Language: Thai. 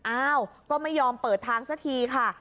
อ้าวก็ไม่ยอมเปิดทางสักทีค่ะ